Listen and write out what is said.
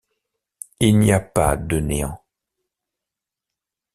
Il n’y a pas de néant.